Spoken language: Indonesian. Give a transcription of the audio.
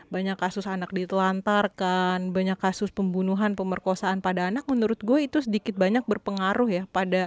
banyak kasus anak ditelantarkan banyak kasus pembunuhan pemerkosaan pada anak menurut gue itu sedikit banyak berpengaruh ya